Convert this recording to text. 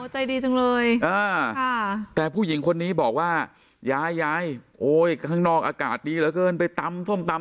ใจดีจังเลยแต่ผู้หญิงคนนี้บอกว่ายายยายโอ้ยข้างนอกอากาศดีเหลือเกินไปตำส้มตำ